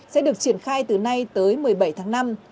sẽ được triển khai từ nay tới một mươi bảy tháng năm